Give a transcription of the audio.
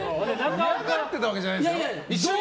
嫌がってたわけじゃないですよ。